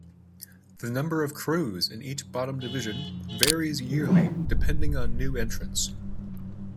The number of crews in each bottom division varies yearly depending on new entrants.